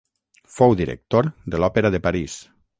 Fou director de l'Òpera de París.